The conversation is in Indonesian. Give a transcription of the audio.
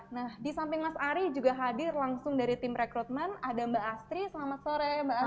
nah di samping mas ari juga hadir langsung dari tim rekrutmen ada mbak astri selamat sore mbak ari